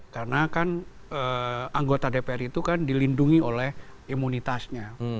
karena kan anggota dpr itu kan dilindungi oleh imunitasnya